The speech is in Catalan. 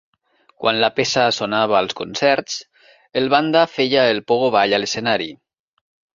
Quan la peça sonava al concerts, el banda feia el pogo ball a l'escenari.